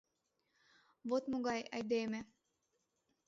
Вот могай айдеме!